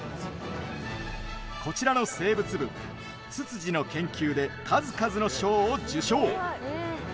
こちらの生物部ツツジの研究で数々の賞を受賞。